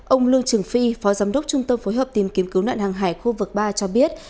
ông lương trường phi phó giám đốc trung tâm phối hợp tìm kiếm cứu nạn hàng hải khu vực ba cho biết